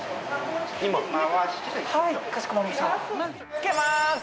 付けます！